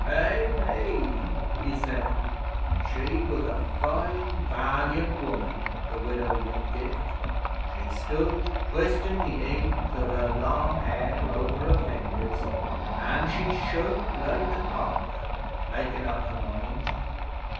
'Eh, me!' he said. 'She was a fine, valiant woman, the Widow Whitgift. She stood twistin' the eends of her long hair over her fingers, an' she shook like a poplar, makin' up her mind.